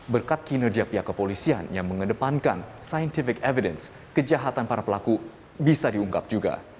berkat kinerja pihak kepolisian yang mengedepankan scientific evidence kejahatan para pelaku bisa diungkap juga